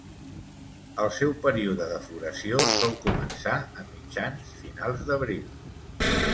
El seu període de floració sol començar a mitjans-finals d'abril.